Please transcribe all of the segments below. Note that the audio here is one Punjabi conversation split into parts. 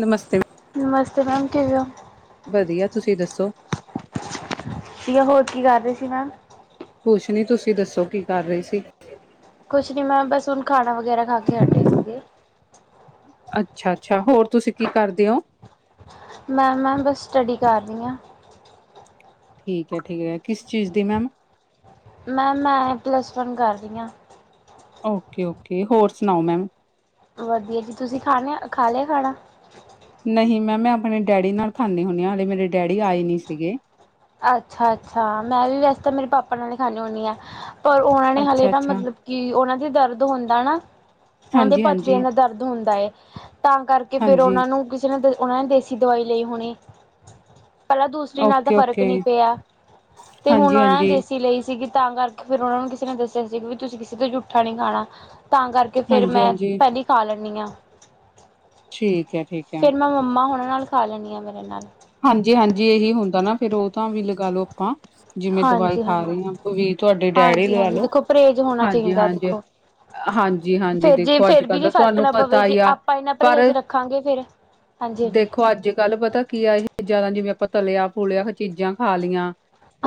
ਨਮਸਤੇ ਨਮਸਤੇ, ਮੈਮ ਕਿਵੇਂ ਹੋ? ਵਧੀਆ, ਤੁਸੀਂ ਦੱਸੋ? ਠੀਕ ਆ, ਹੋਰ ਕੀ ਕਰ ਰਹੇ ਸੀ ਮੈਮ? ਕੁਛ ਨੀ, ਤੁਸੀਂ ਦੱਸੋ ਕੀ ਕਰ ਰਹੇ ਸੀ? ਕੁਛ ਨੀ ਮੈਂ ਬਸ, ਹੁਣ ਖਾਣਾ ਵਗੈਰਾ ਖਾ ਕੇ ਹਟੇ ਸੀਗੇ। ਅੱਛਾ, ਅੱਛਾ। ਹੋਰ ਤੁਸੀਂ ਕੀ ਕਰਦੇ ਓ? ਮੈਂਮ ਮੈਂ, ਬਸ ਸਟੱਡੀ ਕਰ ਰਹੀ ਹਾਂ। ਠੀਕ ਹੈ, ਠੀਕ ਹੈ। ਕਿਸ ਚੀਜ਼ ਦੀ ਮੈਮ? ਮੈਮ, ਮੈਂ ਪਲੱਸ ਵਨ ਕਰ ਰਹੀ ਹਾਂ। ਓਕੇ- ਓਕੇ, ਹੋਰ ਸੁਣਾਓ ਮੈਮ? ਵਧੀਆ ਜੀ, ਤੁਸੀਂ ਖਾਣੇ ਖਾ ਲਿਆ ਖਾਣਾ? ਨਹੀਂ ਮੈਮ, ਮੈਂ ਆਪਣੇ ਡੈਡੀ ਨਾਲ ਖਾਂਦੀ ਹੁੰਦੀ ਹਾਂ, ਹਲੇ ਮੇਰੇ ਡੈਡੀ ਆਏ ਨਹੀਂ ਸੀਗੇ। ਅੱਛਾ ਅੱਛਾ, ਮੈਂ ਵੈਸੇ ਤਾਂ ਮੇਰੇ ਪਾਪਾ ਨਾਲ ਹੀ ਖਾਂਦੀ ਹੁੰਦੀ ਹਾਂ। ਪਰ ਉਹਨਾਂ ਨੇ ਹਾਲੇ ਅੱਛਾ ਨਾ ਅੱਛਾ ਮਤਲਬ ਕਿ ਉਹਨਾਂ ਦੇ ਦਰਦ ਹੁੰਦਾ ਨਾ, ਉਹਨਾਂ ਦੇ ਹਾਂਜੀ ਪਥਰੀਆਂ ਹਾਂਜੀ ਦਾ ਦਰਦ ਹੁੰਦਾ ਹੈ ਤਾਂ ਕਰਕੇ ਕਿ ਫੇਰ ਹਾਂਜੀ ਉਹਨਾਂ ਨੂੰ, ਕਿਸੇ ਨੇ ਉਹਨਾਂ ਨੇ ਦੇਸੀ ਦਵਾਈ ਲਈ ਹੋਣੀ। ਪਹਿਲਾਂ ਦੂਸਰੀ ਨਾਲ ਤਾਂ ਓਕੇ ਫ਼ਰਕ ਫਰਕ ਓਕੇ ਨਹੀਂ ਪਿਆ, ਤੇ ਹੁਣ ਹਾਂਜੀ ਉਹਨਾਂ ਨੇ ਹਾਂਜੀ ਦੇਸੀ ਲਈ ਸੀਗੀ। ਤਾਂ ਕਰਕੇ ਫੇਰ ਉਹਨਾ ਨੂੰ ਕਿਸੇ ਨੇ ਦੱਸਿਆ ਸੀ, ਵੀ ਤੁਸੀਂ ਕਿਸੇ ਤੋਂ ਜੂਠਾ ਨਹੀਂ ਖਾਣਾ। ਤਾਂ ਕਰਕੇ ਕਿ ਫੇਰ ਹਾਂਜੀ ਮੈਂ, ਹਾਂਜੀ ਪਹਿਲੀ ਹੀ ਖਾ ਲੈਂਦੀ ਹਾਂ। ਠੀਕ ਹੈ ਠੀਕ। ਹੈ ਫਿਰ ਮੈਂ ਮੰਮਾ ਹੁਣ ਨਾਲ ਖਾ ਲੈਂਦੀ ਹਾਂ, ਮੇਰੇ ਨਾਲ। ਹਾਂਜੀ, ਹਾਂਜੀ ਇਹੀ ਹੁੰਦਾ ਨਾ ਫੇਰ ਓਹ ਤਾਂ ਵੀ ਲਗਾ ਲੋ ਆਪਾਂ, ਜਿਵੇਂ ਦਵਾਈ ਹਾਂਜੀ ਖਾ ਹਾਂਜੀ। ਰਹੇ ਹਾਂ ਵੀ, ਤੁਹਾਡੇ ਡੈਡੀ ਹਾਂਜੀ ਲਗਾ ਹਾਂਜੀ ਲੋ ਦੇਖੋ ਪਰਹੇਜ਼ ਹੋਣਾ ਹਾਂਜੀ ਚਾਹੀਦਾ ਹਾਂਜੀ ਦੇਖੋ ਹਾਂਜੀ ਹਾਂਜੀ ਫੇਰ ਜੀ ਦੇਖੋ ਅੱਜ ਫੇਰ ਵੀ ਕੱਲ੍ਹ ਜੀ ਦਾ ਫਰਕ ਤੁਹਾਨੂੰ ਨਾ ਪਵੇ, ਪਤਾ ਜੇ ਹੀ ਆ ਆਪਾਂ ਇਹਨਾ ਪਰ ਪਰਹੇਜ਼ ਰੱਖਾਂਗੇ ਫੇਰ ਦੇਖੋ ਅੱਜ ਕੱਲ ਪਤਾ ਕੀ ਆ ਚੀਜ਼ਾਂ ਦਾ, ਜਿਵੇਂ ਆਪਾਂ ਤਲਿਆ, ਫੂਲਿਆ, ਚੀਜ਼ਾਂ ਖਾ ਲਈਆਂ।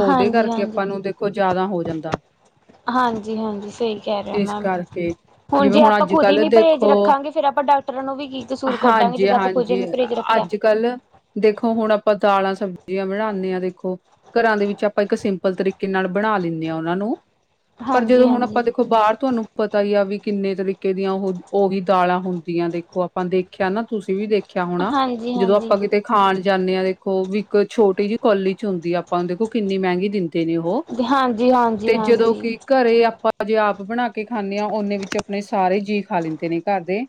ਓਹਦੇ ਹਾਂਜੀ ਕਰਕੇ ਹਾਂਜੀ ਆਪਾਂ ਨੂੰ ਦੇਖੋ, ਜਿਆਦਾ ਹੋ ਜਾਂਦਾ। ਹਾਂਜੀ ਹਾਂਜੀ, ਸਹੀ ਕਹਿ ਰਹਿਓ ਇਸ ਮੈਂਮ। ਕਰਕੇ ਹੁਣ ਜਿਵੇਂ ਜੇ ਆਪਾਂ ਅੱਜ ਖੁਦ ਹੀ ਕੱਲ੍ਹ ਨ ਪਰਹੇਜ਼ ਦੇਖੋ ਰੱਖਾਂਗੇ, ਫੇਰ ਆਪਾਂ ਡਾਕਟਰਾਂ ਨੂੰ ਵੀ ਕੀ ਕਸੂਰ ਕੱਢਾਂਗੇ, ਹਾਂਜੀ ਜਿੱਦਾਂ ਆਪਾਂ ਖੁਦ ਹੀ ਹਾਂਜੀ ਨੀ ਪਰਹੇਜ਼ ਰੱਖਿਆ। ਅੱਜ ਕੱਲ, ਦੇਖੋ ਹੁਣ ਆਪਾਂ ਦਾਲਾਂ ਸਬਜ਼ੀਆਂ ਬਣਾਦੇ ਹਾਂ ਦੇਖੋ, ਘਰਾਂ ਦੇ ਵਿੱਚ ਆਪਾਂ ਇੱਕ ਸਿੰ ਲ ਤਰੀਕੇ ਨਾਲ ਬਣਾ ਲੈਂਦੇ ਹਾਂ ਉਹਨਾਂ ਨੂੰ, ਪਰ ਹਾਂਜੀ ਜਦੋਂ ਹੁਣ ਹਾਂਜੀ ਆਪਾਂ ਦੇਖੋ ਬਾਹਰ ਤੁਹਾਨੂੰ ਪਤਾ ਹੀ ਆ ਵੀ ਕਿੰਨੇ ਤਰੀਕੇ ਦੀਆਂ, ਉਹ ਉਹੀ ਦਾਲਾਂ ਹੁੰਦੀਆਂ ਦੇਖੋ, ਆਪਾਂ ਦੇਖਿਆ ਨਾ, ਤੁਸੀਂ ਵੀ ਦੇਖਿਆ ਦੇਖਿਆ ਹੋਣਾ। ਹਾਂਜੀ ਜਦੋਂ ਹਾਂਜੀ ਆਪਾਂ ਕਿਤੇ ਖਾਣ ਜਾਂਦੇ ਹਾਂ ਦੇਖੋ, ਵੀ ਇੱਕ ਛੋਟੀ ਜਿਹੀ ਕੋਲੀ 'ਚ ਹੁੰਦੀ ਆ ਆਪਾਂ, ਦੇਖੋ ਕਿੰਨੀ ਮਹਿੰਗੀ ਦਿੰਦੀ ਨੇ ਉਹ, ਹਾਂਜੀ ਹਾਂਜੀ ਤੇ ਜਦੋਂ ਹਾਂਜੀ ਕਿ ਘਰੇ ਆਪਾਂ ਜੇ ਆਪ ਬਣਾ ਕੇ ਖਾਂਦੇ ਹਾਂ ਓਨੇ ਵਿੱਚ ਆਪਣੇ ਸਾਰੇ ਜੀਅ ਖਾ ਲੈਂਦੇ ਨੇ ਘਰ ਦੇ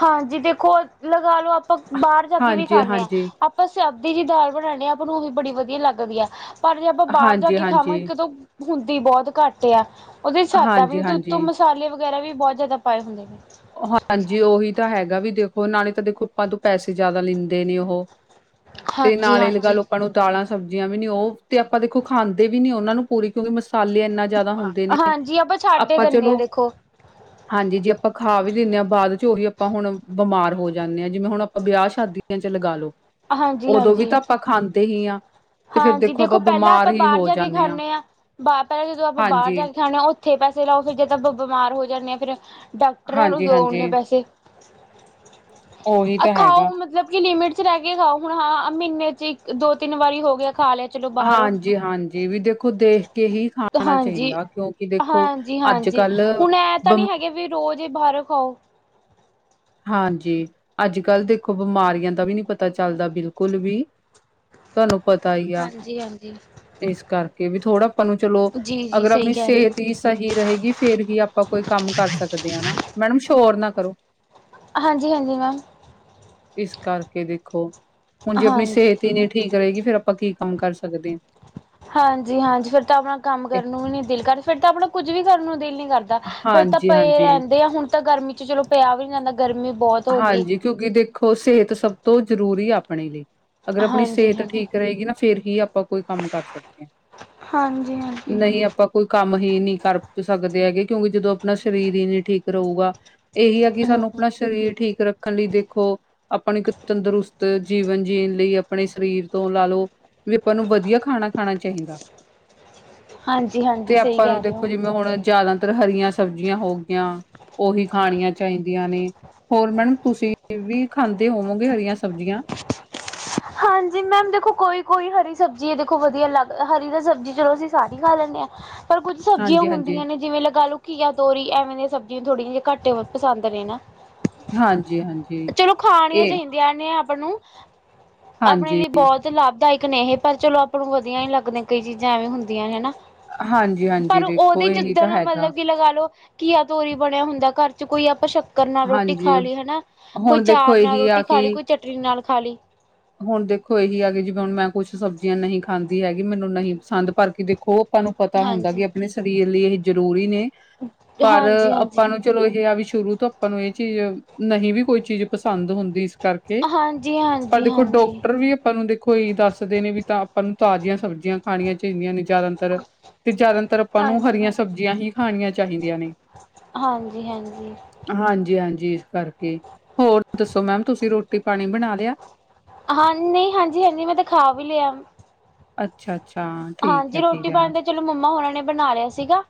ਹਾਂਜੀ ਦੇਖੋ ਲਗਾ ਲੋ ਆਪਾਂ ਬਾਹਰ ਜਾ ਕੇ ਵੀ ਹਾਂਜੀ ਖਾਂਨੇ ਆਂ। ਹਾਂਜੀ ਆਪਾਂ ਸਿਆਦੀ ਜੀ ਦਾਲ ਬਨਾਨੇ ਆ, ਆਪਾਂ ਨੂੰ ਓ ਵੀ ਬੜੀ ਵਧੀਆ ਲੱਗਦੀ ਆ। ਪਰ ਜੇ ਆਪਾਂ ਬਾਰ ਜਾ ਹਾਂਜੀ ਕੇ ਖਾਵਾਂਗੇ, ਹਾਂਜੀ ਇੱਕ ਤਾਂ ਹੁੰਦੀ ਬੋਤ ਘੱਟ ਆ। ਓਦੇ ਸਕਦਾ ਵੀ ਹਾਂਜੀ ਨਈ ਤੇ ਉੱਤੋਂ- ਹਾਂਜੀ ਮਸਾਲੇ ਵਗੈਰਾ ਵੀ ਬੋ ਜਾਦਾ ਪਾਏ ਹੁੰਦੇ ਨੇ। ਓ ਹਾਂਜੀ ਓਹੀ ਤਾਂ ਹੈਗਾ ਵੀ ਦੇਖੋ ਨਾਲੇ ਤਾਂ ਦੇਖੋ ਆਪਾਂ ਤੋਂ ਪੈਸੇ ਜਾਦਾ ਲੈਂਦੇ ਨੇ ਓਹ। ਤੇ ਹਾਂਜੀ ਨਾਲੇ ਹਾਂਜੀ ਲਗਾਲੋ ਆਪਾਂ ਨੂੰ- ਦਾਲਾਂ, ਸਬਜ਼ੀਆਂ ਵੀ ਨੀ ਓ ਤੇ ਆਪਾਂ ਦੇਖੋ ਖਾਂਦੇ ਵੀ ਨੀ ਓਨਾਂ ਨੂੰ ਪੂਰੀ ਕਿਉਂਕਿ ਮਸਾਲੇ ਏਨਾ- ਜਾਦਾ ਹੁੰਦੇ ਨੇ। ਹਾਂਜੀ ਛੱਡ ਹੀ ਆਪਾਂ ਦਿੰਦੇ ਹਾਂ ਚਲੋ ਦੇਖੋ -ਹਾਂਜੀ ਜੇ ਆਪਾਂ- ਖਾ ਵੀ ਲਿੰਣੇ ਆਂ। ਬਾਅਦ ਚ ਓਹੀ ਆਪਾਂ ਹੁਣ ਬਿਮਾਰ ਹੋ ਜਾਂਨੇ ਆਂ। ਜਿਵੇਂ ਹੁਣ ਆਪਾਂ ਬਿਆ ਸ਼ਾਦੀਆਂ' ਚ ਲਗਾਲੋ। ਹਾਂਜੀ ਓਦੋਂ ਵੀ ਹਾਂਜੀ ਤਾਂ ਆਪਾਂ ਖਾਂਦੇ ਹੀ ਹਾਂ। ਤੇ ਫਿਰ ਹਾਂਜੀ ਦੇਖੋ ਆਪਾਂ ਪੈਲਾਂ ਬਿਮਾਰ ਆਪਾਂ ਹੀ ਬਾਰ ਹੋ ਜਾ ਕੇ ਜਾਂਦੇ ਹਾਂ ਖਾਂਣੇ ਆਂ। ਬਾਰ ਤਾਂ ਜਦੋਂ ਆਪਾਂ ਬਾਰ ਹਾਂਜੀ ਜਾ ਕੇ ਖਾਣਾ। ਓ- ਓਥੇ ਪੈਸੇ ਲਾਓ। ਫੇਰ ਜੇ ਤਾ ਆਪਾਂ ਬਿਮਾਰ ਹੋ ਜਾਂਨੇ ਆਂ ਫੇਰ- ਡਾਕਟਰਾਂ ਨੂੰ ਹਾਂਜੀ ਦੋ ਓਨੇ ਹਾਂਜੀ ਪੈਸੇ। ਉਹੀ ਆ ਤਾਂ ਹੈਗਾ ਖਾਓ ਮਤਲਬ ਕੀ ਲਿਮੀਟ- ਚ ਰੈ ਕੇ ਖਾਓ। ਹੁਣ ਹਾਂ ਮੀਨੇ 'ਚ ਇੱਕ ਦੋ- ਤਿੰਨ ਵਾਰੀ ਹੋ ਗਿਆ ਖਾ ਲਿਆ। ਚਲੋ ਬਾਹਰੋਂ ਹਾਂਜੀ- ਹਾਂਜੀ ਵੀ ਦੇਖੋ ਦੇਖ ਕੇ ਹੀ ਖਾਣਾ ਹਾਂਜੀ ਚਾਹੀਦਾ। ਕਿਉਂਕਿ ਦੇਖੋ- ਹਾਂਜੀ ਹਾਂਜੀ ਅੱਜ-ਕੱਲ, ਹੁਣ ਐ ਤਾਂ ਬਮ- ਨਹੀਂ ਹੈਗੇ ਵੀ ਰੋਜ਼ ਈ ਬਾਹਰੋਂ ਖਾਓ। ਹਾਂਜੀ ਅੱਜ ਕੱਲ੍ਹ ਦੇਖੋ ਬਿਮਾਰੀਆਂ ਦਾ ਵੀ ਨੀ ਪਤਾ ਚੱਲਦਾ ਬਿਲਕੁਲ ਵੀ। ਤੁਆਨੂੰ ਪਤਾ ਈ ਆ। ਹਾਂਜੀ ਹਾਂਜੀ ਏਸ ਕਰਕੇ ਵੀ ਥੋੜਾ- ਆਪਾਂ ਨੂੰ ਚਲੋ ਜੀ ਜੀ -ਅਗਰ ਸਹੀ ਆਪਣੀ ਕਹਿ ਰਹੇ ਸੇਤ ਹੋ ਈ- ਸਹੀ ਰਹੇਗੀ ਫੇਰ ਹੀ ਆਪਾਂ ਕੋਈ ਕੰਮ ਕਰ ਸਕਦੇ ਆ ਨਾ। ਮੈਡਮ ਸ਼ੋਰ ਨਾ ਕਰੋ। ਹਾਂਜੀ- ਹਾਂਜੀ ਮੈਮ। ਇਸ ਕਰਕੇ ਵੇਖੋ। ਹੁਣ ਜੇ ਆਪਣੀ ਹਾਂਜੀ ਸੇਤ ਈ ਨੀ ਠੀਕ ਰ‌ਏਗੀ, ਫੇਰ ਆਪਾਂ ਕੀ ਕੰਮ ਕਰ ਸਕਦੇ ਆਂ। ਹਾਂਜੀ -ਹਾਂਜੀ ਫੇਰ ਤਾਂ ਆਪਣਾ ਕੰਮ ਕਰਨ ਨੂੰ ਵੀ ਨੀ ਦਿਲ ਕਰਦਾ। ਫੇਰ ਤਾਂ ਆਪਣਾ ਕੁੱਝ ਵੀ ਕਰਨ ਨੂੰ ਦਿਲ ਨੀ ਕਰਦਾ। ਫੇਰ ਤਾਂ ਪਏ ਹਾਂਜੀ-ਹਾਂਜੀ। ਰੈਂਦੇ ਆਂ। ਹੁਣ ਤਾਂ ਗਰਮੀ 'ਚ ਚਲੋ ਪਿਆ ਵੀ ਨੀ ਜਾਂਦਾ, ਗਰਮੀ ਬੋਤ ਹੋਗੀ। ਹਾਂਜੀ, ਕਿਉਂਕਿ ਦੇਖੋ ਸੇਹਤ ਸਭ ਤੋਂ ਜ਼ਰੂਰੀ ਆਪਣੇ ਲਈ। ਅਗਰ ਆਪਣੀ ਹਾਂਜੀ ਸੇਤ ਹਾਂਜੀ ਠੀਕ ਰ‌ਏਗੀ ਨਾ ਫੇਰ ਹੀ ਆਪਾਂ ਕੋਈ ਕੰਮ ਕਰ ਸਕਦੇ ਆਂ। ਹਾਂਜੀ-ਹਾਂਜੀ ਨਹੀਂ ਆਪਾਂ ਕੋਈ ਕੰਮ ਹੀ ਨੀ ਕਰ ਸਕਦੇ ਹੈਗੇ। ਕਿਉਂਕਿ ਜਦੋਂ ਆਪਣਾ ਸਰੀਰ ਈ ਨੀ ਠੀਕ ਰ‌ਊਗਾ। ਏਹੀ ਆ ਕੀ ਸਾਨੂੰ ਹਮ ਆਪਣਾ ਸਰੀਰ ਠੀਕ ਰੱਖਣ ਲਈ ਦੇਖੋ- ਆਪਣੀ ਇਕ ਤੰਦਰੁਸਤ ਜੀਵਨ ਜੀਣ ਲਈ ਆਪਣੇ ਸਰੀਰ ਤੋਂ ਲਾ ਲਓ- ਵੀ ਆਪਾਂ ਨੂੰ ਵਧੀਆ ਖਾਣਾ- ਖਾਣਾ ਚਾਹੀਦਾ। ਹਾਂਜੀ ਤੇ ਹਾਂਜੀ ਸਹੀ ਆਪਾਂ ਨੂੰ ਕਹਿ ਰਹੇ ਦੇਖੋ ਹੋ ਜਿਵੇਂ ਹੁਣ- ਜਾਦਾਤਰ ਹਰੀਆਂ ਸਬਜ਼ੀਆਂ ਹੋ ਗਈਆਂ। ਓਹੀ ਖਾਣੀਆਂ ਚਾਹੀਦੀਆਂ ਨੇ। ਹੋਰ ਮੈਮ ਤੁਸੀਂ ਵੀ ਖਾਂਦੇ ਹੋਵੋਂਗੇ ਹਰੀਆਂ ਸਬਜ਼ੀਆਂ। ਹਾਂਜੀ ਮੈਮ ਦੇਖੋ ਕੋਈ ਕੋਈ ਹਰੀ ਸਬਜ਼ੀ ਏ ਦੇਖੋ ਵਧੀਆ ਲੱਗ, ਹਰੀ ਤੇ ਸਬਜ਼ੀ ਚਲੋ ਅਸੀਂ ਸਾਰੀ ਖਾ ਲੈਂਣੇ ਆਂ। ਪਰ ਕੁੱਝ ਸਬਜ਼ੀਆਂ ਹਾਂਜੀ ਹਾਂਜੀ ਹੁੰਦੀਆਂ ਨੇ ਜਿਵੇਂ ਲਗਾ ਲੋ- ਘੀਆ ਤੋਰੀ ਐਵੇਂ ਦੀਆਂ ਸਬਜ਼ੀਆਂ ਥੋੜ੍ਹੀਆਂ ਜੀਆਂ ਘੱਟ ਏ ਪਸੰਦ ਨੇ ਨਾ। ਹਾਂਜੀ ਹਾਂਜੀ ਚਲੋ ਖਾਣੀਆਂ ਇਹ ਚਾਹੀਦੀਆਂ ਨੇ ਆਪ ਨੂੰ। ਆਪਣੇ ਹਾਂਜੀ ਲਈ ਬੋਤ ਲਾਭਦਾਇਕ ਨੇ ਇਹ। ਪਰ ਚਲੋ ਆਪਾਂ ਨੂੰ ਵਧੀਆ ਨੀ ਲੱਗਦੀਆਂ ਕਈ ਚੀਜ਼ਾਂ ਐਵੇਂ ਹੁੰਦੀਆਂ ਨੇ ਹਨਾ। ਹਾਂਜੀ ਹਾਂਜੀ ਪਰ ਓਦੇ ਦੇਖੋ ਇਹੀ ਤਾਂ ਜਿੱਦਨ ਹੈਗਾ ਮਤਲਬ ਕਿ ਲਗਾ ਲੋ - ਘੀਆ ਤੋਰੀ ਬਣਿਆ ਹੁੰਦਾ ਘਰ ਚ ਕੋਈ ਆਪਾਂ ਸ਼ੱਕ- ਰ ਨਾਲ ਰੋਟੀ ਹਾਂਜੀ ਖਾ ਲੀ ਹਨਾ। ਕੋਈ ਹੁਣ ਦੇਖੋ ਚਾਰ ਨਾਲ ਇਹੀ ਆ ਰੋਟੀ ਕਿ ਖਾ ਲੀ, ਕੋਈ ਚਟਨੀ ਨਾਲ ਖਾ ਲੀ। ਹੁਣ ਦੇਖੋ ਏਹੀ ਆ ਕਿ ਜਿਵੇਂ ਹੁਣ ਮੈਂ ਕੁਛ ਸਬਜ਼ੀਆਂ ਨਹੀਂ ਖਾਂਦੀ ਹੈਗੀ। ਮੈਨੂੰ ਨਹੀਂ ਪਸੰਦ, ਪਰ ਕਿ ਦੇਖੋ- ਆਪਾਂ ਨੂੰ ਪਤਾ ਹੁੰਦਾ ਹਾਂਜੀ। ਕਿ ਆਪਣੇ ਸਰੀਰ ਲਈ ਇਹ ਜ਼ਰੂਰੀ ਨੇ। ਪਰ ਹਾਂਜੀ ਹਾਂਜੀ ਹਾਂਜੀ ਆਪਾਂ ਨੂੰ ਚਲੋ ਇਹ ਆ ਵੀ ਸ਼ੁਰੂ ਤੋਂ ਆਪਾਂ ਨੂੰ ਇਹ ਚੀਜ਼ ਨਹੀਂ ਵੀ ਕੋਈ ਚੀਜ਼ ਪਸੰਦ ਹੁੰਦੀ। ਇਸ ਕਰਕੇ ਹਾਂਜੀ, ਹਾਂਜੀ। ਪਰ ਹਾਂਜੀ ਦੇਖੋ ਹਾਂਜੀ। ਡੋਕਟਰ ਵੀ ਆਪਾਂ ਨੂੰ ਦੇਖੋ ਏਹੀ ਦੱਸਦੇ ਨੇ ਵੀ ਤਾਂ ਆਪਾਂ ਨੂੰ ਤਾਜ਼ੀਆਂ ਸਬਜ਼ੀਆਂ ਖਾਣੀਆਂ ਚਾਹੀਦੀਆਂ ਨੇ ਜਾਦਾਤਰ ਤੇ ਜਾਦਾਤਰ ਆਪਾਂ ਨੂੰ ਹਾਂਜੀ ਹਰੀਆਂ ਸਬਜ਼ੀਆਂ ਹੀ ਖਾਣੀਆਂ ਚਾਹੀਦੀਆਂ ਨੇ। ਹਾਂਜੀ ਹਾਂਜੀ, ਹਾਂਜੀ ਇਸ ਕਰਕੇ। ਹੋਰ ਦੱਸੋ ਮੈਮ, ਤੁਸੀਂ ਰੋਟੀ ਪਾਣੀ ਬਣਾ ਲਿਆ। ਹਾਂ ਨਹੀਂ ਹਾਂਜੀ, ਹਾਂਜੀ ਮੈਂ ਤਾਂ ਖਾ ਵੀ ਲਿਆ। ਅੱਛਾ, ਅੱਛਾ ਠੀਕ ਹੈ, ਹਾਂਜੀ ਰੋਟੀ ਠੀਕ ਹੈ। ਪਾਣੀ ਤਾਂ ਚਲੋ ਮੰਮਾ ਉਹਨਾਂ ਨੇ ਬਣਾ ਲਿਆ ਸੀਗਾ।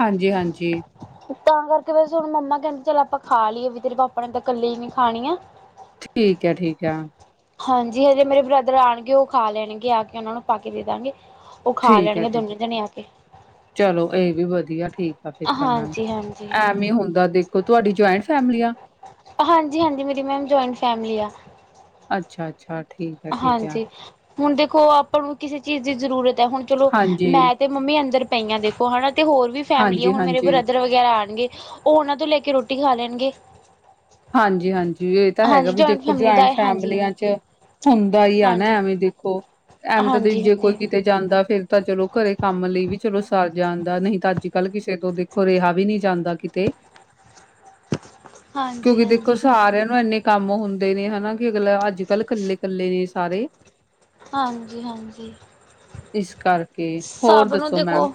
ਹਾਂਜੀ, ਹਾਂਜੀ। ਤਾਂ ਕਰਕੇ ਵੈਸੇ ਮੰਮਾ ਕਹਿੰਦੀ ਚੱਲ ਆਪਾਂ ਖਾ ਲਈਏ ਵੀ ਤੇਰੇ ਪਾਪਾ ਨੇ ਤਾਂ ਕੱਲੇ ਨੀ ਖਾਣੀ ਆ। ਠੀਕ ਹੈ, ਠੀਕ ਹੈ। ਹਾਂਜੀ ਹਜੇ ਮੇਰੇ ਬ੍ਰਦਰ ਆਉਣਗੇ ਉਹ ਖਾ ਲੈਣਗੇ ਆ ਕੇ ਉਹਨਾਂ ਨੂੰ ਪਾ ਕੇ ਦੇ ਦਾਂਗੇ। ਉਹ ਖਾ ਠੀਕ ਹੈ ਲੈਣਗੇ ਠੀਕ ਦੋਨੇ ਜਣੇ ਆ ਕੇ ਚਲੋ ਇਹ ਵੀ ਵਧੀਆ ਠੀਕ। ਈਮੇਲ ਮੈਮ ਹਾਂਜੀ ਹਾਂਜੀ। ਐਵੇ ਹੁੰਦਾ ਦੇਖੋ ਤੁਹਾਡੀ ਜਆਇੰਟ ਫੈਮਲੀ ਆ। ਹਾਂਜੀ, ਹਾਂਜੀ ਮੇਰੀ ਮੈਮ ਜੁਆਇੰਟ ਫੈਮਲੀ ਆ। ਅੱਛਾ, ਅੱਛਾ। ਹਾਂਜੀ ਹੁਣ ਦੇਖੋ ਆਪਾਂ ਨੂੰ ਕਿਸੇ ਚੀਜ਼ ਦੀ ਜ਼ਰੂਰਤ ਹੈ ਹੁਣ ਚਲੋ ਹਾਂਜੀ। ਮੈਥ ਤੇ ਮੰਮੀ ਅੰਦਰ ਪਈਆਂ ਦੇਖੋ ਹਨਾ ਤੇ ਹੋਰ ਵੀ ਫੈਮਲੀ ਆ ਹੁਣ ਮੇਰੇ ਹਾਂਜੀ-ਹਾਂਜੀ, ਬ੍ਰਦਰ ਵਗੈਰਾ ਆਉਣਗੇ ਉਹ ਉਹਨਾਂ ਤੋਂ ਲੈ ਕੇ ਰੋਟੀ ਖਾ ਲੈਣਗੇ। ਹਾਂਜੀ, ਹਾਂਜੀ ਇਹ ਤਾਂ ਹੈਗਾ ਹਾਂਜੀ ਵੀ ਦੇਖੋ ਫੈਮਿਲੀ ਜੁਆਇੰਟ ਦਾ ਹਾਂਜੀ ਫੈਮਲੀਆਂ ਹਾਂਜੀ। ਚ ਹੁੰਦਾ ਹੀ ਆ ਨਾ ਹਾਂਜੀ ਐਵੇਂ ਦੇਖੋ ਐਵੇਂ ਤਾਂ ਹਾਂਜੀ ਜੇ ਕੋਈ ਹਾਂਜੀ ਕਿਤੇ ਜਾਂਦਾ ਫੇਰ ਤਾਂ ਚਲੋ ਘਰੇ ਕੰਮ ਲਈ ਵੀ ਚਲੋ ਸਰ ਜਾਂਦਾ ਨਹੀਂ ਤਾਂ ਅੱਜ ਕੱਲ ਕਿਸੇ ਤੋਂ ਹੋ ਰਿਹਾ ਵੀ ਨਹੀਂ ਜਾਂਦਾ ਕਿਤੇ। ਹਾਂਜੀ ਕਿਉਂਕਿ ਦੇਖੋ ਹਾਂਜੀ। ਸਾਰਿਆਂ ਨੂੰ ਇੰਨੇ ਕੰਮ ਹੁੰਦੇ ਨੇ ਹਨਾ ਕਿ ਅਗਲਾ ਅੱਜ ਅੱਜ ਕੱਲ੍ਹ ਇਕੱਲੇ ਕੱਲੇ ਨੇ ਸਾਰੇ। ਹਾਂਜੀ, ਹਾਂਜੀ। ਇਸ ਕਰਕੇ ਹੋਰ ਨੂੰ ਦੱਸੋ ਮੈਮ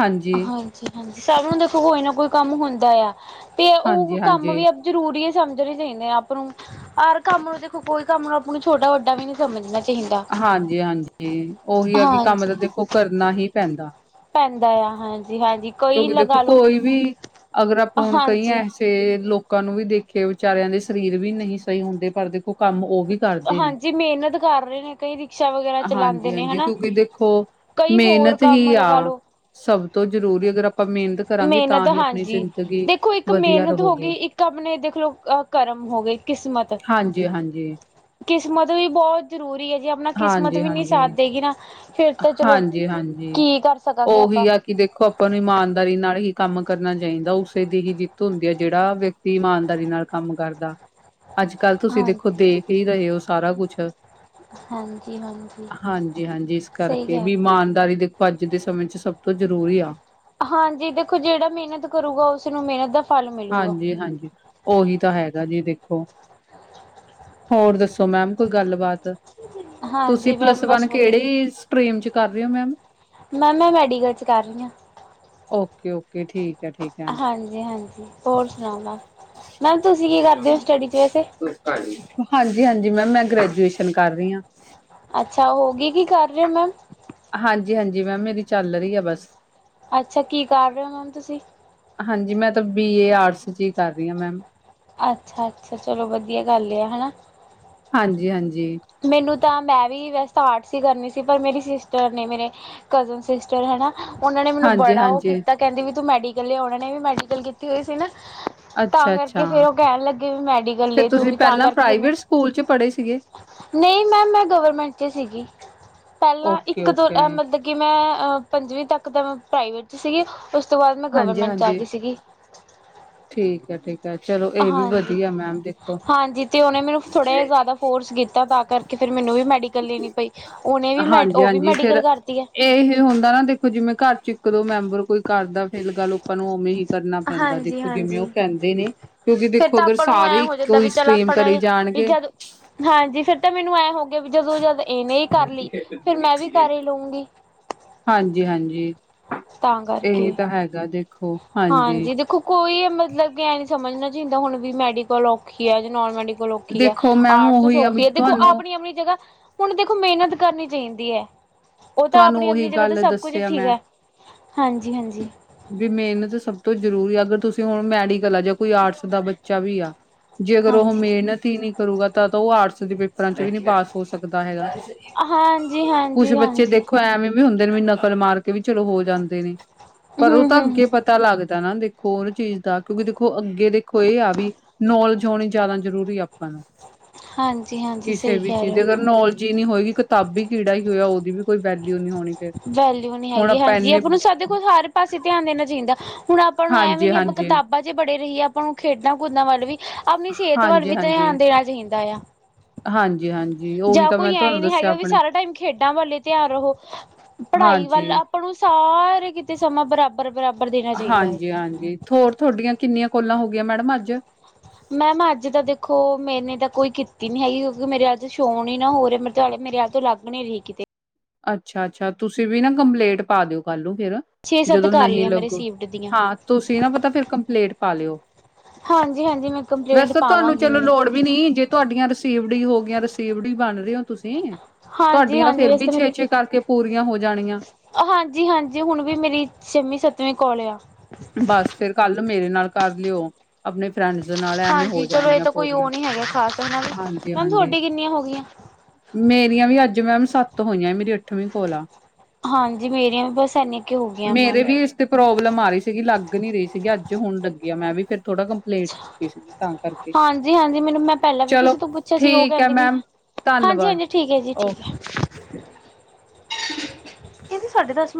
ਹਾਂਜੀ। ਹਾਂਜੀ ਸਭ ਨੂੰ ਦੇਖੋ ਕੋਈ ਨਾ ਕੋਈ ਕੰਮ ਹੁੰਦਾ ਆ ਤੇ ਉਹ ਹਾਂਜੀ ਕੰਮ ਹਾਂਜੀ ਵੀ ਜ਼ਰੂਰੀ ਸਮਝਣੇ ਚਾਹੀਦੇ ਆ ਆਪ ਨੂੰ। ਹਰ ਕੰਮ ਨੂੰ ਦੇਖੋ ਕੋਈ ਕੰਮ ਨੂੰ ਆਪ ਨੂੰ ਛੋਟਾ ਵੱਡਾ ਵੀ ਨੀ ਸਮਝਣਾ। ਚਾਹੀਦਾ ਹਾਂਜੀ ਹਾਂਜੀ ਉਹੀ ਆ ਕਿ ਕੰਮ ਹਾਂਜੀ ਦਾ ਦੇਖੋ ਕਰਨਾ ਹੀ ਪੈਂਦਾ। ਪੈਂਦਾ ਆ ਹਾਂਜੀ, ਹਾਂਜੀ। ਕਿਉਂਕਿ ਦੇਖੋ ਕੋਈ ਵੀ ਅਗਰ ਆਪਾਂ ਹੁਣ ਕਹੀਏ ਹਾਂਜੀ ਤੇ ਲੋਕਾਂ ਨੂੰ ਵੀ ਦੇਖੇ ਵਿਚਾਰਿਆਂ ਦੇ ਸਰੀਰ ਵੀ ਨਹੀਂ ਸਹੀ ਹੁੰਦੇ ਪਰ ਦੇਖੋ ਕੰਮ ਉਹ ਵੀ ਕਰਦੇ ਨੇ ਹਾਂਜੀ ਮਿਹਨਤ ਕਰ ਰਹੇ ਨੇ ਕਈ ਰਿਕਸ਼ਾ ਵਗੈਰਾ ਚਲਾਉਂਦੇ ਹਾਂਜੀ, ਨੇ ਹਾਂਜੀ ਹਨਾ। ਕਿਉਂਕਿ ਦੇਖੋ ਕਈ ਹੋਰ ਮਿਹਨਤ ਕੰਮ ਹੀ ਲਗਾ ਆ ਲੋ ਸਭ ਤੋਂ ਜ਼ਰੂਰੀ ਅਗਰ ਆਪਾਂ ਮਿਹਨਤ ਕਰਾਂਗੇ ਤਾਂ ਮਿਹਨਤ ਹੀ ਆਪਣੀ ਹਾਂਜੀ ਜ਼ਿੰਦਗੀ ਦੇਖੋ ਇੱਕ ਵਧੀਆ ਮਿਹਨਤ ਹੋ ਰਹੋਗੀ ਗਈ ਇੱਕ ਆਪਣੇ ਦੇਖ ਲਓ ਅ ਕਰਮ ਹੋ ਗਈ ਕਿਸਮਤ। ਹਾਂਜੀ ਹਾਂਜੀ ਕਿਸਮਤ ਵੀ ਬਹੁਤ ਜ਼ਰੂਰੀ ਹੈ, ਜੇ ਆਪਣਾ ਕਿਸਮਤ ਹਾਂਜੀ ਵੀ ਨਹੀਂ ਸਾਥ ਹਾਂਜੀ ਦੇਗੀ ਨਾ ਫੇਰ ਹਾਂਜੀ, ਹਾਂਜੀ ਉਹੀ ਵੀ ਆਪਾਂ ਆ ਕਿ ਦੇਖੋ ਆਪਾਂ ਨੂੰ ਇਮਾਨਦਾਰੀ ਨਾਲ ਹੀ ਕੰਮ ਕਰਨਾ ਚਾਹੀਦਾ ਉਸੇ ਦੀ ਹੀ ਜਿੱਤ ਹੁੰਦੀ ਹੈ ਜਿਹੜਾ ਵਿਅਕ ਦੀ ਇਮਾਨਦਾਰੀ ਨਾਲ ਕੰਮ ਕਰਦਾ। ਅੱਜ ਕੱਲ੍ਹ ਤੁਸੀਂ ਦੇਖੋ ਹਾਂਜੀ ਦੇਖ ਹੀ ਰਹੇ ਹੋ ਸਾਰਾ ਕੁਛ। ਹਾਂਜੀ ਹਾਂਜੀ ਹਾਂਜੀ-ਹਾਂਜੀ ਸਹੀ ਕਰਕੇ ਕਹਿ ਵੀ ਰਹੇ ਇਮਾਨਦਾਰੀ ਦੇਖੋ ਅੱਜ ਦੇ, ਸਮੇਂ ਚ ਸਭ ਤੋਂ ਜ਼ਰੂਰੀ ਆ ਹਾਂਜੀ ਦੇਖੋ ਜਿਹੜਾ ਮਿਹਨਤ ਕਰੂਗਾ ਉਸਨੂੰ ਮਿਹਨਤ ਦਾ ਫਲ ਮਿਲੂਗਾ ਹਾਂਜੀ-ਹਾਂਜੀ ਉਹੀ ਤਾਂ ਹੈਗਾ ਜੀ, ਦੇਖੋ ਹੋਰ ਦੱਸੋ ਮੈਮ ਕੋਈ ਗੱਲਬਾਤ ਹਾਂ ਤੁਸੀਂ ਪਲੱਸ ਵਨ ਕਿਹੜੇ ਸਟਰੀਮ ਚ, ਕਰ ਰਹੇ ਹੋ ਮੈਮ ਮੈਮ ਮੈਂ ਮੈਡੀਕਲ ਚ, ਕਰ ਰਹੀ ਹਾਂ ਓਕੇ-ਓਕੇ ਠੀਕ ਹੈ ਠੀਕ ਹੈ ਹਾਂਜੀ-ਹਾਂਜੀ ਹੋਰ ਸੁਣਾਓ ਮੈਮ, ਮੈਮ ਤੁਸੀਂ ਕੀ ਕਰਦੇ ਹੋ ਸਟੱਡੀ ਚ, ਵੈਸੇ ਹਾਂਜੀ-ਹਾਂਜੀ ਮੈਮ ਮੈਂ ਗ੍ਰੈਜੂਏਸ਼ਨ ਕਰ ਰਹੀ ਹਾਂ ਅੱਛਾ ਹੋ ਗਈ ਕੀ ਕਰ ਰਹੇ ਹੋ ਮੈਮ ਹਾਂਜੀ-ਹਾਂਜੀ, ਮੈਮ ਮੇਰੀ ਚੱਲ ਰਹੀ ਆ, ਬਸ। ਅੱਛਾ, ਕੀ ਕਰ ਰਹੇ ਹੋ, ਮੈਮ ਤੁਸੀਂ? ਹਾਂਜੀ, ਮੈਂ ਤਾਂ ਬੀ ਏ ਆਰਟਸ ਚ, ਹੀ ਕਰ ਰਹੀ ਹਾਂ ਮੈਮ। ਅੱਛਾ-ਅੱਛਾ ਚਲੋ ਵਧੀਆ ਗੱਲ ਆ, ਹਨਾ ਹਾਂਜੀ-ਹਾਂਜੀ। ਮੈਨੂੰ ਤਾਂ ਮੈਂ, ਵੀ ਵੈਸੇ ਤਾਂ ਆਰਟਸ ਹੀ ਕਰਨੀ ਸੀ, ਪਰ ਮੇਰੀ ਸਿਸਟਰ ਨੇ, ਮੇਰੇ ਕਜ਼ਨ ਸਿਸਟਰ ਹੈ ਨਾ ਉਹਨਾਂ ਨੇ ਮੈਨੂੰ ਹਾਂਜੀ ਬੜਾ ਉਹ ਹਾਂਜੀ ਕੀਤਾ ਕਹਿੰਦੀ ਵੀ, ਤੂੰ ਮੈਡੀਕਲ ਲਿਆ, ਉਹਨਾਂ ਨੇ ਵੀ, ਮੈਡੀਕਲ ਕੀਤੀ ਹੋਈ ਸੀ ਨਾ ਤਾਂ ਅੱਛਾ ਕਰਕੇ, ਅੱਛਾ ਫੇਰ ਉਹ ਕਹਿਣ ਲੱਗੇ ਵੀ, ਮੈਡੀਕਲ ਫਿਰ ਲੈ ਤੂੰ ਤੁਸੀਂ ਵੀ, ਤਾਂ ਪਹਿਲਾਂ ਕਰਕੇ ਫੇਿਰ ਮੈ ਪ੍ਰਾਈਵੇਟ ਸਕੂਲ ਚ ਪੜ੍ਹੇ ਸੀਗੇ ਨਹੀਂ ਮੈਮ, ਮੈਂ ਗਵਰਮੈਂਟ ਚ ਸੀਗੀ ਪਹਿਲਾਂ ਓਕੇ ਇੱਕ-ਦੋ ਓਕੇ ਮਤਲਬ ਕਿ ਮੈਂ ਪੰਜਵੀਂ ਤੱਕ ਤਾਂ ਮੈਂ ਪ੍ਰਾਈਵੇਟ 'ਚ ਸੀਗੀ, ਉਸ ਤੋਂ ਬਾਅਦ ਮੈਂ ਹਾਂਜੀ ਗਵਰਮੈਂਟ 'ਚ ਆ ਹਾਂਜੀ ਗਈ ਸੀਗੀ। ਠੀਕ ਐ ਠੀਕ। ਹੈ ਚਲੋ ਇਹ ਵੀ ਹਾਂਜੀ, ਵਧੀਆ ਮੈਮ ਦੇਖੋ ਹਾਂਜੀ ਤੇ ਉਹਨੇ ਮੈਨੂੰ ਥੋੜਾ ਜਿਹਾ ਜ਼ਿਆਦਾ ਫੋਰਸ ਕੀਤਾ ਤਾਂ ਕਰਕੇ ਫਿਰ ਮੈਨੂੰ ਵੀ, ਮੈਡੀਕਲ ਲੈਣੀ ਪਈ, ਉਹਨੇ ਵੀ ਮੈਡੀ ਹਾਂਜੀ ਉਹ ਵੀ, ਹਾਂਜੀ ਮੈਡੀਕਲ ਫਿਰ ਕਰਦੀ ਐਂ। ਇਹ ਹੀ ਹੁੰਦਾ ਨਾ ਦੇਖੋ, ਜਿਵੇਂ ਘਰ ਚ ਇੱਕ-ਦੋ ਮੈਂਬਰ ਕੋਈ ਕਰਦਾ, ਫਿਰ ਗੱਲ ਆਪਾਂ ਨੂੰ ਉਵੇਂ ਹੀ ਕਰਨਾ ਪੈਂਦਾ। ਜਿਵੇਂ ਉਹ ਹਾਂਜੀ-ਹਾਂਜੀ ਕਹਿੰਦੇ ਨੇ, ਕਿਉਂਕਿ ਫੇਰ ਦੇਖੋ ਤਾਂ ਅਗਰ ਆਪਾਂ ਨੂੰ ਸਾਰੇ ਐਂ ਹੋ ਜਾਂਦਾ ਇੱਕੋ ਈ, ਵੀ ਚੱਲ ਸਟਰੀਮ ਆਪਣਾ ਕਰੇ ਇਹ ਵੀ ਜਾਣਗੇ ਜਦ ਹਾਂਜੀ, ਫੇਰ ਤਾਂ ਮੈਨੂੰ ਐਂ ਹੋ ਗਿਆ, ਵੀ ਜਦੋਂ ਜਦ ਇਹਨੇ ਹੀ ਕਰ ਲਈ, ਫੇਿਰ ਮੈਂ ਵੀ ਕਰ ਹੀ ਲਊਂਗੀ ਹਾਂਜੀ-ਹਾਂਜੀ। ਤਾਂ ਇਹੀ ਕਰਕੇ ਤਾਂ ਹੈਗਾ ਦੇਖੋ ਹਾਂਜੀ। ਕੋਈ ਮਤਲਬ ਕਿ ਐਂ ਨੀ ਸਮਝਣਾ ਚਾਹੀਦਾ, ਹੁਣ ਵੀ ਮੈਡੀਕਲ ਔਖੀ ਆ ਜਾਂ ਨੋਨ ਮੈਡੀਕਲ ਲ ਔਖੀ ਹੈ, ਦੇਖੋ ਮੈਮ ਆਰਟਸ ਉਹੀ ਆ ਵੀ ਸੌਖੀ ਹੈ, ਦੇਖੋ ਤੁਹਾਨੂੰ ਆਪਣੀ-ਆਪਣੀ ਜਗ੍ਹਾ ਹੁਣ ਦੇਖੋ ਮਿਹਨਤ ਕਰਨੀ ਚਾਹੀਦੀ ਹੈ‌। ਉਹ ਤਾਂ ਤੁਹਾਨੂੰ ਉਹੀ ਆਪਣੀ-ਆਪਣੀ ਜਗ੍ਹਾ ਤੇ ਗੱਲ ਸਭ ਕੁਝ ਦੱਸਿਆ ਠੀਕ ਮੈਂ ਹੈ ਹਾਂਜੀ-ਹਾਂਜੀ ਵੀ ਮਿਹਨਤ ਸਭ ਤੋਂ ਜ਼ਰੂਰੀ ਆ। ਅਗਰ ਤੁਸੀਂ ਹੁਣ ਮੈਡੀਕਲ ਆ ਜਾਂ ਕੋਈ ਆਰਟਸ ਦਾ ਬੱਚਾ ਵੀ ਆ ਜੇ ਅਗਰ ਉਹ ਹਾਂਜੀ ਮਿਹਨਤ ਹੀ ਨਹੀਂ ਕਰੂੰਗਾ, ਤਾਂ ਉਹ ਆਰਟਸ ਦੇ ਪੇਪਰਾਂ ਚ, ਹੀ ਨੀ ਪਾਸ ਹੋ ਸਕਦਾ ਹੈਗਾ। ਕੁਛ ਬੱਚੇ ਹਾਂਜੀ-ਹਾਂਜੀ-ਹਾਂਜੀ ਦੇਖੋ ਐਵੇਂ ਵੀ ਹੁੰਦੇ ਨੇ, ਵੀ ਨਕਲ ਮਾਰ ਕੇ ਵੀ, ਚਲੋ ਹੋ ਜਾਂਦੇ ਨੇ। ਪਰ ਉਹ ਤਾਂ, ਹੂੰ-ਹੂੰ-ਹੂੰ ਅੱਗੇ ਪਤਾ ਲੱਗਦਾ, ਨਾ ਦੇਖੋ ਉਹ ਚੀਜ਼ ਦਾ ਕਿਉਂਕਿ ਦੇਖੋ ਅੱਗੇ ਦੇਖੋ ਇਹ ਆ ਵੀ ਨੌਲੇਜ ਆਉਣੀ ਜ਼ਿਆਦਾ ਜ਼ਰੂਰੀ ਆਪਾਂ ਨੂੰ। ਹਾਂਜੀ-ਹਾਂਜੀ ਕਿਸੇ ਸਹੀ ਵੀ ਕਹਿ ਚੀਜ਼ ਰਹੇ ਦੀ ਹੋ ਅਗਰ ਮੈਮ ਨੋਲਜੀ ਨਹੀਂ ਹੋਏਗੀ, ਕਿਤਾਬੀ ਕੀੜਾ ਹੀ ਹੋਇਆ। ਉਹਦੀ ਵੀ ਕੋਈ ਵੈਲਿਊ ਨਹੀਂ ਹੋਣੀ ਫਿਰ। ਵੈਲਿਊ ਨੀ ਹੁਣ ਹੈਗੀ। ਹਾਂਜੀ ਇੰਨੇ ਆਪਾਂ ਨੂੰ ਸਾਡੇ ਕੋਲ ਸਾਰੇ ਪਾਸੇ ਧਿਆਨ ਦੇਣਾ ਚਾਹੀਦਾ। ਹੁਣ ਨੂੰ ਐਂ ਵੀ ਨੀ ਆਪਾਂ ਹਾਂਜੀ-ਹਾਂਜੀ, ਕਿਤਾਬਾਂ ਹਜੇ ਬੜੇ ਰਹੀਏ, ਆਪਾਂ ਨੂੰ ਖੇਡਾਂ ਕੂਦਾਂ ਵੱਲ ਵੀ, ਆਪਣੀ ਸਿਹਤ ਵੱਲ ਵੀ ਧਿਆਨ ਦੇਣਾ ਚਾਹੀਦਾ ਆ। ਹਾਂਜੀ-ਹਾਂ ਜਾਂ ਕੋਈ ਐਂ ਨੀ ਹੈਗਾ ਵੀ ਸਾਰਾ ਟਾਈਮ ਖੇਡਾਂ ਵੱਲ ਧੇਆਨ ਰਹੋ, ਪੜਾਈ ਵੱਲ ਆ ਹਾਂਜੀ। ਆਪਾਂ ਨੂੰ ਸਾਰੇ ਕੀਤੇ ਸਮਾਂ ਬਰਾਬਰ-ਬਰਾਬਰ ਦੇਣਾ ਚਾਈਦਾ ਏ। ਹਾਂਜੀ। ਹੋਰ ਤੋਡੀਆਂ ਕੀਨੀਆਂ ਕੋਲਾਂ ਹੋ ਗਈਆਂ ਮੈਡਮ ਅੱਜ? ਮੈਮ ਅੱਜ ਤਾਂ ਦੇਖੋ ਮੇਨੇ ਤਾਂ ਕੋਈ ਕੀਤੀ ਨੀ ਹੈਗੀ, ਕੋਕੀ ਮੇਰੇ ਆਲੇ ਚ ਸੋਅ ਨੀ ਨਾ ਹੋ ਰੀ ਮੇਰੇਲੇ ਮੇਰੇ ਆ ਤੋਂ ਲੱਗ ਗ ਨੀ ਰੀ ਕੀਤੇ। ਅੱਛਾ-ਅੱਛਾ, ਤੁਸੀਂ ਵੀ ਨਾ ਕੰਪਲੇਂਟ ਪਾ ਦੇਓ ਕੱਲ ਨੂੰ ਫੇਰ ਛੇ ਸੱਤ ਜਦੋਂ ਕਰ ਨਹੀ ਲਈਆਂ ਮੈਂ ਲੱਗੂ, ਰਿਸੀਵਡ ਦੀਆਂ ਹਾਂ ਤੁਸੀਂ ਨਾ ਪਤਾ ਫੇਰ ਕੰਪਲੇਂਟ ਪਾ ਲੇਓ। ਹਾਂਜੀ-ਹਾਂਜੀ ਮੈਂ ਕੰਪਲੇਂਟ ਤੁਹਾਨੂੰ ਪਾਵਾਂਗੀ। ਚਲੋ ਮੈਨੇ ਲੋੜ ਵੀ ਨੀ, ਜੇ ਧਾਡੀਆਂ ਰਸੀਵਡ ਈ ਹੋ ਗੀਆਂ ਰਸੀਵਡ ਈ ਬਨ ਦੇ ਓ ਤੁਸੀ। ਹਾਂਜੀ ਤੁਡੀਆਂ ਤਾਂ ਹਾਂਜੀ ਫੇਰ ਵੈਸੇ ਵੀ ਛੇ-ਛੇ ਕਰਕੇ ਪੂਰੀਆਂ ਹੋ ਜਾਣੀਆਂ। ਹਾਂਜੀ-ਹਾਂਜੀ ਹੁਣ ਵੀ ਮੇਰੀ ਛੇਵੀਂ-ਸੱਤਵੀਂ ਕੋਲ ਆ। ਬਸ ਫੇਰ ਕੱਲ ਮੇਰੇ ਨਾਲ ਕਰ ਲੇਓ, ਆਪਣੇ ਫਰੈਂਡ ਨਾਲ ਐਵੇਂ ਹੋ ਹਾਂਜੀ ਚਲੋ ਇਹ ਜਾਣਗੀਆਂ ਤਾਂ ਕੋਈ ਪੂਰੀਆਂ, ਉਹ ਨਹੀਂ ਹੈਗਾ ਖਾਸ ਹਨਾ ਵੀ ਮੈਮ ਹਾਂਜੀ-ਹਾਂਜੀ। ਤੁਹਾਡੀ ਕਿੰਨੀਆਂ ਹੋ ਗਈਆਂ ਮੇਰੀਆਂ ਵੀ ਅੱਜ ਮੈਮ ਸੱਤ ਹੋਈਆਂ ਮੇਰੀ ਅੱਠਵੀਂ ਕੋਲ ਆ। ਹਾਂਜੀ, ਮੇਰੀਆਂ ਵੀ ਬਸ ਐਨੀ ਕੁ ਹੋ ਗਈਆਂ ਮੇਰੇ ਮੈਮ। ਵੀ ਇਸ ਤੇ ਪ੍ਰੋਬਲਮ ਆ ਰੀ ਸੀਗੀ ਲੱਗ ਨੀ ਰਈ ਸੀਗੀ ਅੱਜ ਹੁਣ ਲੱਗੀ ਆ ਮੈਂ ਵੀ ਫੇਰ ਥੋੜਾ ਕੰਪਲੇਂਟ ਕੀਤੀ ਸੀ ਤਾਂ ਕਰਕੇ ਹਾਂਜੀ-ਹਾਂਜੀ ਮੈਨੂੰ ਮੈਂ ਪੈਂਲਾਂ ਵੀ ਚਲੋ ਕੀਸੇ ਤੋਂ ਪੁੱਛੇਆ ਸੀ ਓ ਠੀਕ ਹੈ ਕੈਂਦੀ ਵੀ ਮੈਮ ਧੰਨਵਾਦ ਹਾਂਜੀ-ਹਾਂਜੀ ਠੀਕ ਐ ਜੀ ਓਕੇ ਠੀਕ ਐ, ਕੈਂਦੀ ਸਾਡੇ ਤਾਂ ਸੂਟ